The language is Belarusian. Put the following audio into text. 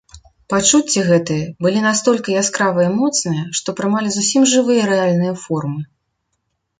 Пачуцці гэтыя былі настолькі яскравыя і моцныя, што прымалі зусім жывыя рэальныя формы.